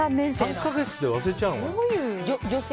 ３か月で忘れちゃうのかな。